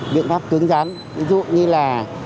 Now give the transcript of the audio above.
biện pháp cứng rắn ví dụ như là